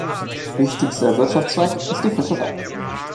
Wichtigster Wirtschaftszweig ist die Fischerei.